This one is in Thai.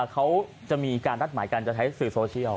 เขาจะมีการนัดหมายกันจะใช้สื่อโซเชียล